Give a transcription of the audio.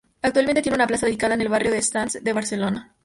Actualmente tiene una plaza dedicada en el barrio de Sants de Barcelona.